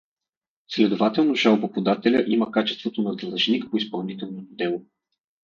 Следователно жалбоподателят има качеството на длъжник по изпълнителното дело.